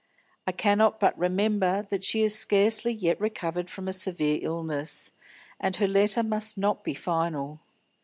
I cannot but remember that she is scarcely yet recovered from a severe illness, and her letter must not be final.